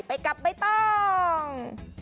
ไปกับใบตอง